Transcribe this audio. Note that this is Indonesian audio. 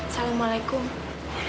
selamat jalan ya